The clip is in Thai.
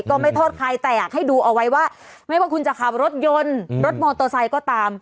ก็ไม่โทษใครแต่อยากให้ดูเอาไว้ว่าไม่ว่าคุณจะขับรถยนต์รถมอเตอร์ไซค์ก็ตาม